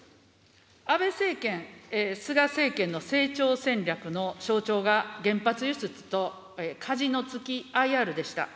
安倍政権・菅政権の成長戦略の象徴が、原発輸出とカジノつきＩＲでした。